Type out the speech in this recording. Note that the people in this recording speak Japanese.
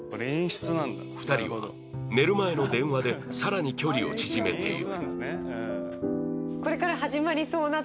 ２人は寝る前の電話で更に距離を縮めていく